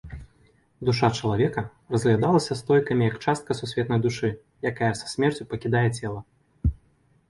Душа чалавека разглядалася стоікамі як частка сусветнай душы, якая са смерцю пакідае цела.